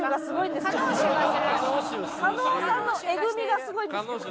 加納さんのエグみがすごいんですけど。